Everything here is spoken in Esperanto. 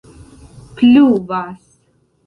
pluvas